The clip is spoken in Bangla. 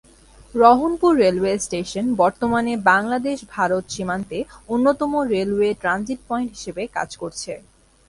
রহনপুর রেলওয়ে স্টেশন বর্তমানে বাংলাদেশ-ভারত সীমান্তে অন্যতম রেলওয়ে ট্রানজিট পয়েন্ট হিসেবে কাজ করছে।